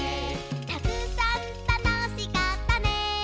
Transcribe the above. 「たくさんたのしかったね」